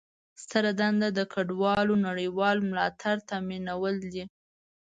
ستره دنده د کډوالو نړیوال ملاتړ تامینول دي.